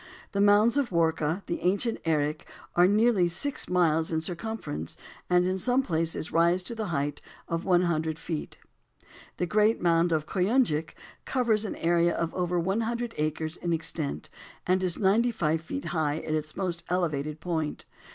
The mounds of Warka, the ancient Erech, are nearly six miles in circumference and in some places rise to the height of one hundred feet. The great mound of Koyunjik covers an area of over one hundred acres in extent, and is ninety five feet high at its most elevated point.